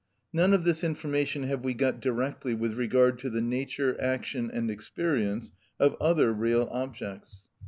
None of this information have we got directly with regard to the nature, action, and experience of other real objects.